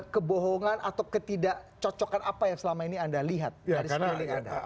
kebohongan atau ketidak cocokan apa yang selama ini ada di dalam politik